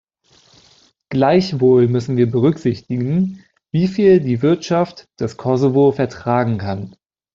Gleichwohl müssen wir berücksichtigen, wieviel die Wirtschaft des Kosovo vertragen kann.